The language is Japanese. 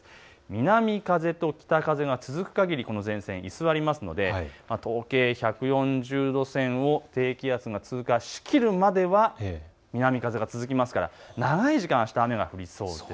南風と北風が続くかぎりこの前線が居座りますので東経１４０度線を低気圧が通過しきるまでは南風が続きますから長い時間、あした雨が降りそうです。